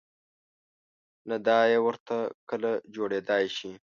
نه دای ورته کله جوړېدای شي.